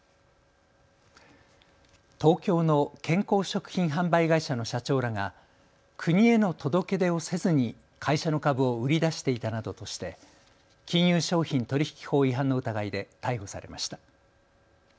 東京の健康食品販売会社の社長らが国への届け出をせずに会社の株を売り出していたなどとして金融商品取引法違反の疑いで逮捕されました。